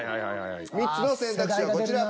３つの選択肢はこちら。